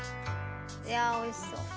いやあおいしそう。